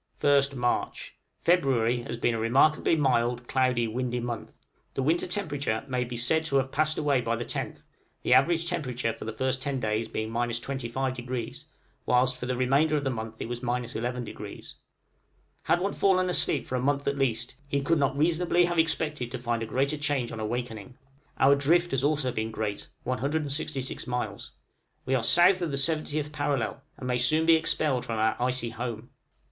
{MAR., 1858.} 1st March. February has been a remarkably mild, cloudy, windy month: the winter temperature may be said to have passed away by the 10th, the average temperature for the first ten days being 25°, whilst for the remainder of the month it was 11°. Had one fallen asleep for a month at least, he could not reasonably have expected to find a greater change on awaking. Our drift has been also great, 166 miles. We are south of the 70th parallel, and may soon be expelled from our icy home.